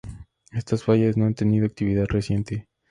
Estas fallas no han tenido actividad reciente.